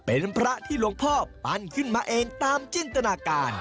เป็นพระที่หลวงพ่อปั้นขึ้นมาเองตามจินตนาการ